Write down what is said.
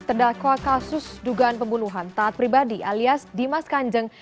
terdakwa kasus dugaan pembunuhan taat pribadi alias dimas kanjeng